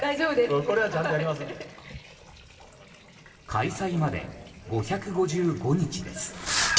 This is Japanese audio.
開催まで５５５日です。